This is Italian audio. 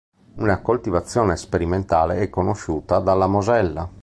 Una coltivazione sperimentale è conosciuta dalla Mosella.